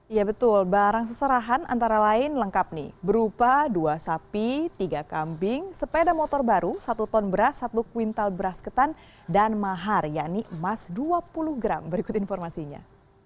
ya betul barang seserahan antara lain lengkap nih berupa dua sapi tiga kambing sepeda motor baru satu ton beras satu kuintal beras ketan dan mahar yakni emas dua puluh gram berikut informasinya